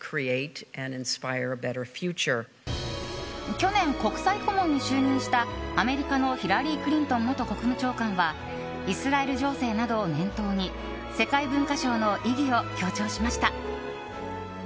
去年、国際顧問に就任したアメリカのヒラリー・クリントン元国務長官はイスラエル情勢などを念頭に世界文化賞の意義を強調しました。